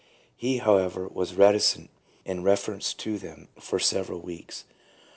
He, how ever, was reticent in reference to them for several weeks.